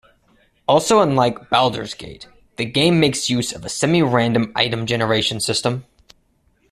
Also unlike "Baldur's Gate", the game makes use of a semi-random item generation system.